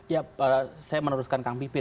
ya saya meneruskan kang pipin